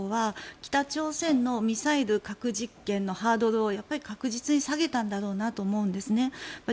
ロシアのウクライナ侵攻は北朝鮮のミサイル核実験のハードルを確実に下げたんだろうなと思うんですね。